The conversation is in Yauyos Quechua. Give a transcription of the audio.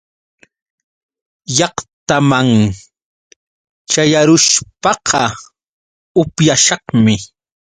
Llaqtaman ćhayarushpaqa upyashaqmi.